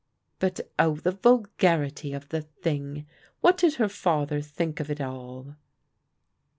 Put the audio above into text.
But oh, the vulgarity of the thing ! What did her father think of it all